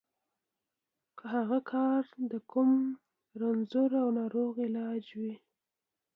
که هغه کار د کوم رنځور او ناروغ علاج وي.